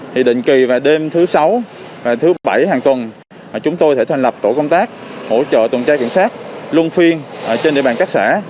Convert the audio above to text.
thì định kỳ vào đêm thứ sáu và thứ bảy hàng tuần chúng tôi sẽ thành lập tổ công tác hỗ trợ tuần tra kiểm soát luôn phiên trên địa bàn các xã